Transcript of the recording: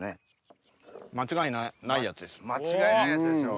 間違いないやつですよ。